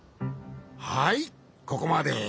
はいここまで。